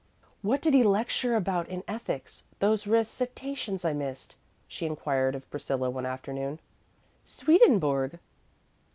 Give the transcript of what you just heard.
"What did he lecture about in ethics those recitations I missed?" she inquired of Priscilla, one afternoon. "Swedenborg."